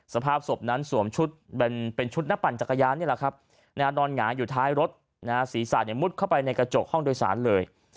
สภาพศพนั้นสวมชุดเป็นชุดนักปั่นจักรยานนี่แหละครับนอนหงายอยู่ท้ายรถศีรษะมุดเข้าไปในกระจกห้องโดยสารเลย